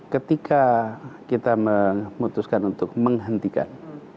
ketika kita memutuskan untuk menghentikan